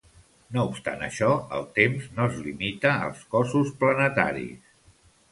No obstant això, el temps no es limita als cossos planetaris.